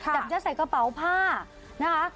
จะยัดใส่กระเป๋าผ้านะคะ